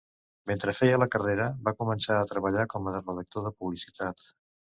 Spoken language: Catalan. Mentre feia la carrera va començar a treballar com a redactor de publicitat.